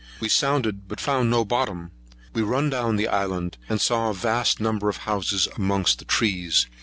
We sounded, but found no bottom. We run down the island, and saw a vast number of houses amongst the trees.